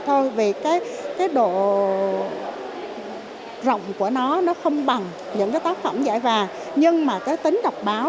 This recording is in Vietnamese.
thôi vì cái độ rộng của nó nó không bằng những cái tác phẩm giải vàng nhưng mà cái tính đọc báo